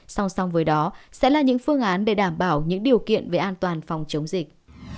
song song với đó sẽ là những phương án để đảm bảo những điều kiện về an toàn phòng chống dịch